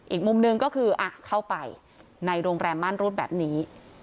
อีกมุมหนึ่งก็คือเข้าไปในโรงแรมม่านรูดแบบนี้